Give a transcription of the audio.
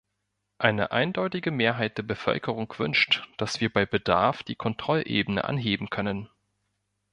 Eine eindeutige Mehrheit der Bevölkerung wünscht, dass wir bei Bedarf die Kontrollebene anheben können.